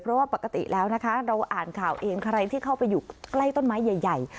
เพราะว่าปกติแล้วนะคะเราอ่านข่าวเองใครที่เข้าไปอยู่ใกล้ต้นไม้ใหญ่